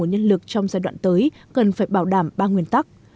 nhân lực trong giai đoạn tới cần phải bảo đảm ba nguyên tắc